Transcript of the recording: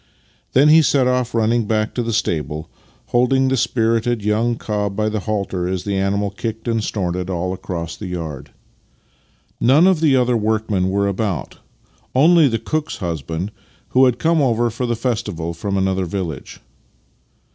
Then he set off running back to the stable, holding tlie spirited young cob by the halter as the animal kicked and snorted all across Master and Man 5 the yard. None of the other workmen were about — only the cook's husband, who had come over for the festival from another village.